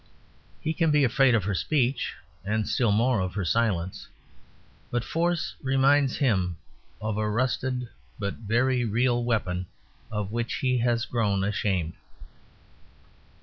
He can be afraid of her speech and still more of her silence; but force reminds him of a rusted but very real weapon of which he has grown ashamed.